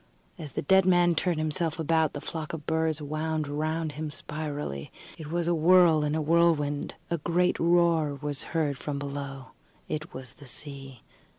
As the dead man turned himself about, the flock of birds wound round him spirally. It was a whirl in a whirlwind. A great roar was heard from below. It was the sea.